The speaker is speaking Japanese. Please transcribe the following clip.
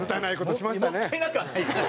もったいなくはないよ。